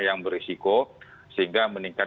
yang berisiko sehingga